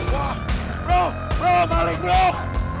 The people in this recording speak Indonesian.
wah bro bro maleng bro